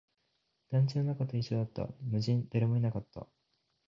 団地の中と一緒だった、無人、誰もいなかった